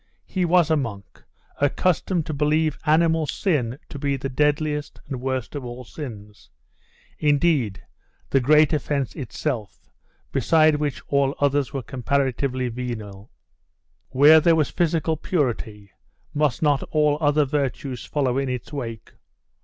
He was a monk, accustomed to believe animal sin to be the deadliest and worst of all sins indeed, 'the great offence' itself, beside which all others were comparatively venial: where there was physical purity, must not all other virtues follow in its wake?